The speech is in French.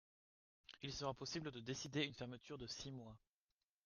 Il sera possible de décider une fermeture de six mois.